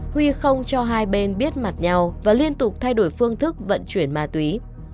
huy không cho hai bên biết mặt nhau và liên tục thay đổi phương thức vận chuyển ma túy